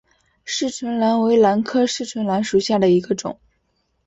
匙唇兰为兰科匙唇兰属下的一个种。